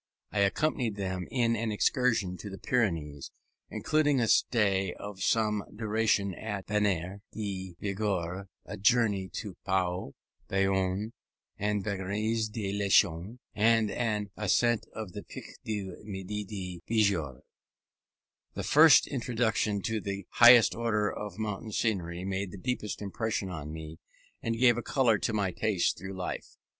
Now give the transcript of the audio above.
I accompanied them in an excursion to the Pyrenees, including a stay of some duration at Bagnères de Bigorre, a journey to Pau, Bayonne, and Bagnères de Luchon, and an ascent of the Pic du Midi de Bigorre. This first introduction to the highest order of mountain scenery made the deepest impression on me, and gave a colour to my tastes through life.